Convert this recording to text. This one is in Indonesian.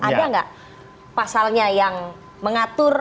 ada nggak pasalnya yang mengatur